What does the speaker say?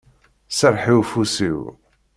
Serreḥ i ufus-iw.